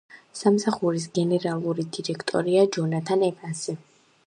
სამსახურის გენერალური დირექტორია ჯონათან ევანსი.